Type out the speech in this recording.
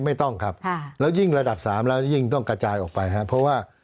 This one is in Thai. ไม่ต้องครับแล้วยิ่งระดับ๓แล้วยิ่งต้องกระจายออกไปครับเพราะว่า